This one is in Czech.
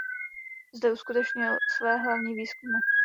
Zde uskutečnil své hlavní výzkumy.